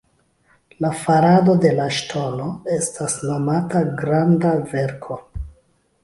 La farado de la Ŝtono estas nomata Granda Verko.